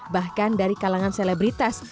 bahkan dari kalangan selebritas